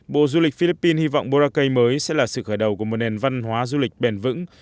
bộ du lịch philippines hy vọng boracay mới sẽ là sự khởi đầu của một nền văn hóa du lịch bền vững